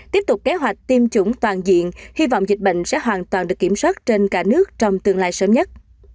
tiếp tục kế hoạch tiêm chủng toàn diện hy vọng dịch bệnh sẽ hoàn toàn được kiểm soát trên cả nước trong tương lai sớm nhất